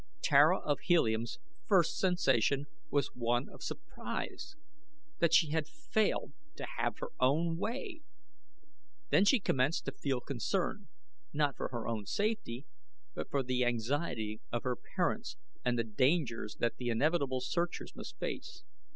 Tara of Helium's first sensation was one of surprise that she had failed to have her own way. Then she commenced to feel concern not for her own safety but for the anxiety of her parents and the dangers that the inevitable searchers must face.